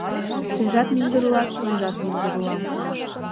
Тыйжат мӱндыр улат, мыйжат мӱндыр улам